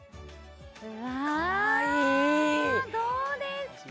うわどうですか？